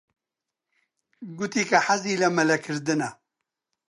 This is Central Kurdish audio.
گوتی کە حەزی لە مەلەکردنە.